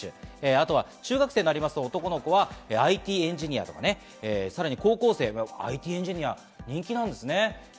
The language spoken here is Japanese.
あとは中学生になると男の子はＩＴエンジニアとか、さらに高校生もＩＴエンジニア、人気なんですね。